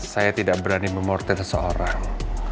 saya tidak berani memortel seorang